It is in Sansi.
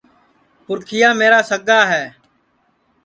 پُرکھِِیا میرا سگا ہے